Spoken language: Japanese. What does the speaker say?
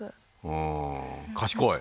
うん賢い。